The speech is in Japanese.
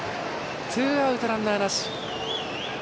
ツーアウト、ランナーなし。